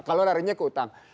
kalau darinya ke utang